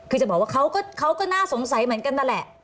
คือจะบอกว่าเขาก็น่าสงสัยเหมือนกันนั่นแหละ